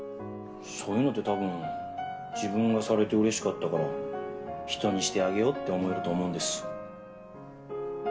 そういうのって多分自分がされて嬉しかったから人にしてあげようって思えると思うんです。